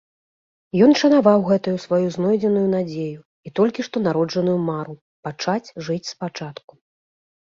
Ён шанаваў гэтую сваю знойдзеную надзею і толькі што народжаную мару пачаць жыць спачатку.